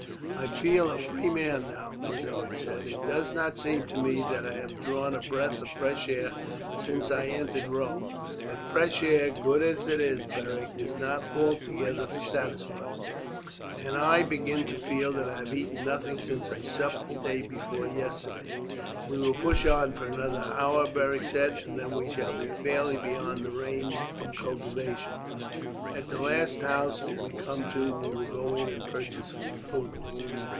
"I feel a free man again now," Boduoc said. "It does not seem to me that I have drawn a breath of fresh air since I entered Rome; but fresh air, good as it is, Beric, is not altogether satisfying, and I begin to feel that I have eaten nothing since I supped the day before yesterday." "We will push on for another hour," Beric said, "and then we shall be fairly beyond the range of cultivation. At the last house we come to we will go in and purchase food.